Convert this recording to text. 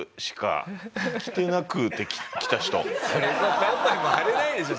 それで何枚も貼れないでしょ。